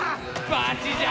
バチじゃ！